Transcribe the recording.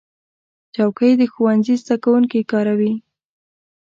چوکۍ د ښوونځي زده کوونکي کاروي.